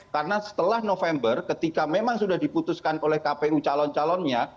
karena setelah november ketika memang sudah diputuskan oleh kpu calon calonnya